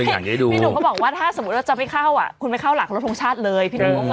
บิดดุ่งเขาบอกว่าถ้าเราจะไม่เข้าคุณไปเข้าหลักโรคโรงชาติเลย